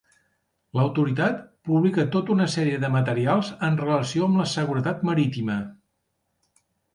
L'Autoritat publica tota una sèrie de materials en relació amb la seguretat marítima.